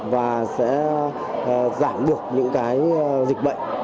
và sẽ giảm được những dịch bệnh